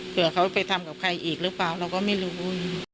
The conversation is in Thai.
เผื่อเขาไปทำกับใครอีกหรือเปล่าเราก็ไม่รู้